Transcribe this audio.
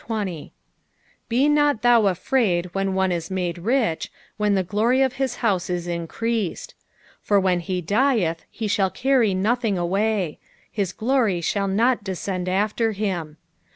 16 Be not thou afraid when one is made rich, when the glory of his house is increased ; P3ALX THE FOETT SIKTH. 417 17 For when he dieth he shall carry nothing away : his glory shall not descend after him.